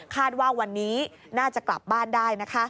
ว่าวันนี้น่าจะกลับบ้านได้นะคะ